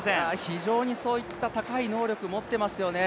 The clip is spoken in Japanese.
非常に、そういった高い能力を持っていますよね。